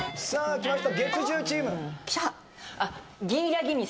きました。